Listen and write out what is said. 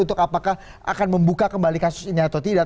untuk apakah akan membuka kembali kasus ini atau tidak